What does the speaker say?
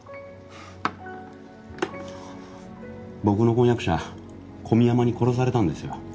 僕の婚約者小宮山に殺されたんですよ。